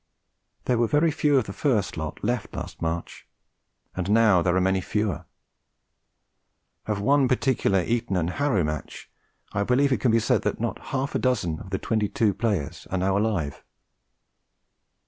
There were very few of the first lot left last March, and now there are many fewer. Of one particular Eton and Harrow match, I believe it can be said that not half a dozen of the twenty two players are now alive.